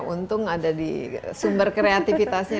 untung ada di sumber kreativitasnya